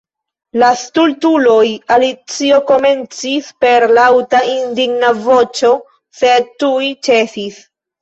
"La stultuloj!" Alicio komencis per laŭta indigna voĉo, sed tuj ĉesis.